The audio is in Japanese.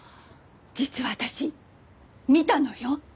実は私見たのよ。